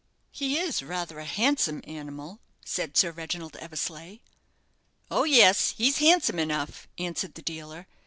"He is rather a handsome animal," said Sir Reginald Eversleigh. "Oh, yes, he's handsome enough," answered the dealer.